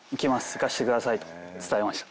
「行かせてください」と伝えました。